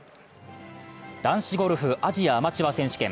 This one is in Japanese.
男子ゴルフアジアアマチュア選手権。